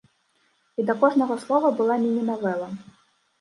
І да кожнага слова была міні-навэла.